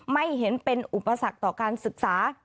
ไม่เห็นเป็นอุปสรรคต่อการศึกษา